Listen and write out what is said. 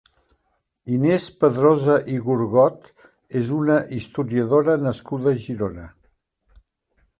Inés Padrosa i Gorgot és una historiadora nascuda a Girona.